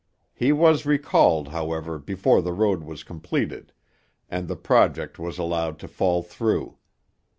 He was recalled, however, before the road was completed; and the project was allowed to fall through.